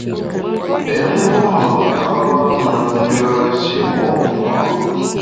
Pé mgbom me nkarâ na ndùere shimo’ fa’.